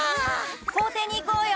校庭に行こうよ！